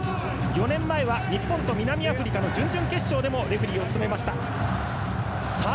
４年前は日本と南アフリカの準々決勝でもレフリーを務めました。